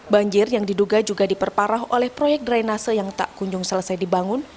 banjir yang diduga juga diperparah oleh proyek drainase yang tak kunjung selesai dibangun